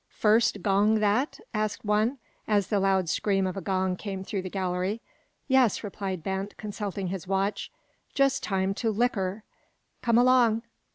"First gong that?" asked one, as the loud scream of a gong came through the gallery. "Yes," replied Bent, consulting his watch. "Just time to `licker.' Come along!"